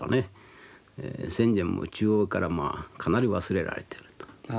戦前も中央からまあかなり忘れられてると。